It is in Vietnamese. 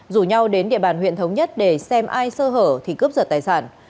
rủ nhau đến địa bàn huyện thống nhất để xem ai sơ hở thì cướp giật tài sản